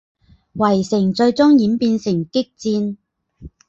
围城最终演变成激战。